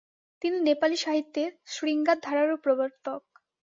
তিনি নেপালি সাহিত্যে শৃঙ্গার ধারারও প্রবর্তক।